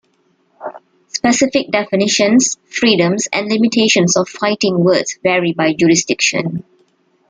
Specific definitions, freedoms, and limitations of fighting words vary by jurisdiction.